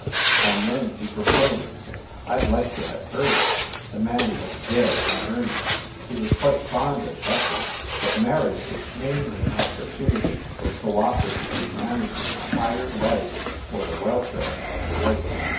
And then he proposed. I d like to have heard it. The man was dead in earnest he was quite fond of Bessie, but marriage was mainly an opportunity for co operatively managing a higher life for the welfare of the race.